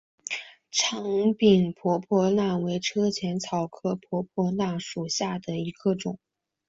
长柄婆婆纳为车前草科婆婆纳属下的一个种。